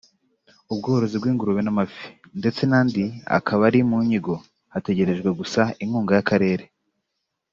ubworozi bw’ingurube n’ubw’amafi ndetse n’andi akaba ari mu nyigo hategerejwe gusa inkunga y’Akarere